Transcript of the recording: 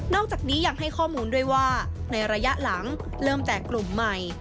จากนี้ยังให้ข้อมูลด้วยว่าในระยะหลังเริ่มแตกกลุ่มใหม่